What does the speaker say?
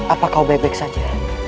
apa kau baik baik saja